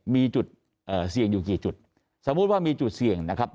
มีจุดเอ่อเสี่ยงอยู่กี่จุดสมมุติว่ามีจุดเสี่ยงนะครับ